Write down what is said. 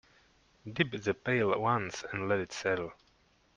Dip the pail once and let it settle.